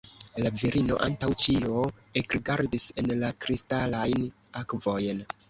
La virino antaŭ ĉio ekrigardis en la kristalajn akvojn.